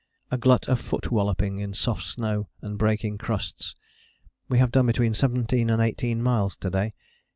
_ A glut of foot walloping in soft snow and breaking crusts. We have done between 17 and 18 miles to day.